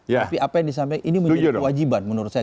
tapi apa yang disampaikan ini menjadi kewajiban menurut saya